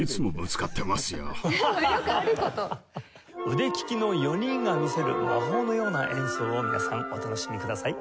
腕利きの４人が見せる魔法のような演奏を皆さんお楽しみください。